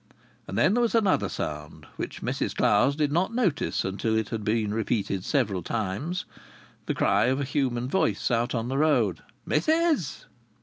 And then there was another sound, which Mrs Clowes did not notice until it had been repeated several times; the cry of a human voice out on the road: "Missis!"